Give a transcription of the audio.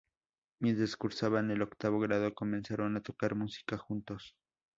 Mientras cursaban el octavo grado, comenzaron a tocar música juntos.